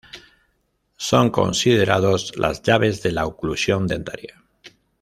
Son considerados las "llaves de la oclusión dentaria".